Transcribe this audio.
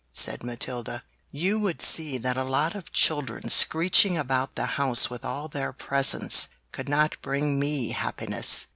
said Matilda, "You would see that a lot of children screeching about the house with all their presents could not bring me happiness!"